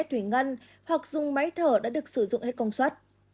thủy ngân hoặc dùng máy thở đã được sử dụng hết công suất